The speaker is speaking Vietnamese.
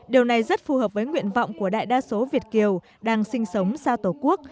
điều này rất phù hợp với nguyện vọng của đại đa số việt kiều đang sinh sống xa tổ quốc